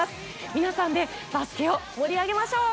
皆さんでバスケを盛り上げましょう！